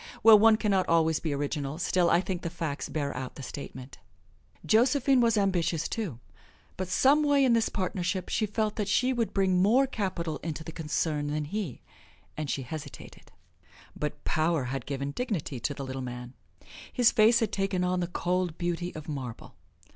Well, one can not always be original still I think the facts bear out the statement. Josephine was ambitious, too, but some way in this partnership she felt that she would bring more capital into the concern than he, and she hesitated. But power had given dignity to the Little Man; his face had taken on the cold beauty of marble.